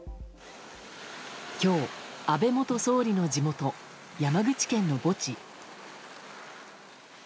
今日、安倍元総理の地元山口県の墓地。